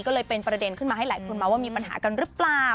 ก็เลยเป็นประเด็นขึ้นมาให้หลายคนมาว่ามีปัญหากันหรือเปล่า